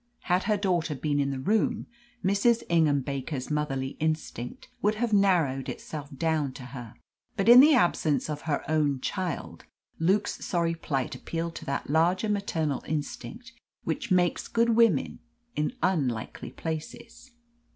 Had her daughter been in the room, Mrs. Ingham Baker's motherly instinct would have narrowed itself down to her. But in the absence of her own child, Luke's sorry plight appealed to that larger maternal instinct which makes good women in unlikely places.